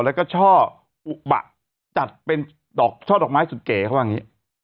แล้วก็ช่ออุบะจัดเป็นดอกช่อดอกไม้สุดเก๋เขาว่าอย่างนี้